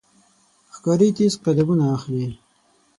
ښکاري تیز قدمونه اخلي.